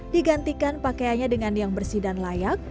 digantikan pakaiannya dengan yang bersih dan layak